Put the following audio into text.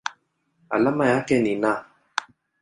Alama yake ni Na.